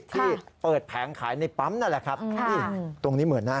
ที่เปิดแผงขายในปั๊มนั่นแหละครับค่ะนี่ตรงนี้เหมือนนะ